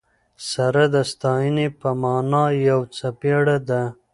سره د ستاینې په مانا یو څپیزه ده.